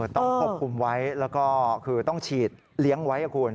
ต้องควบคุมไว้แล้วก็คือต้องฉีดเลี้ยงไว้คุณ